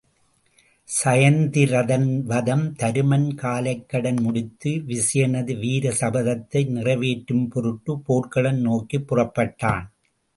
சயத்திரதன் வதம் தருமன் காலைக்கடன் முடித்து விசயனது வீர சபதத்தை நிறைவேற்றும் பொருட்டுப் போர்க்களம் நோக்கிப் புறப்பட்டான்.